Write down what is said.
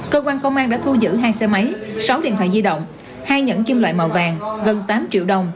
cơ quan công an đã thu giữ hai xe máy sáu điện thoại di động hai nhẫn kim loại màu vàng gần tám triệu đồng